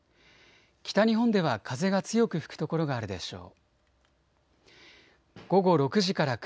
北日本では風が強く吹く所があるでしょう。